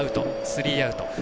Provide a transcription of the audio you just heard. スリーアウト。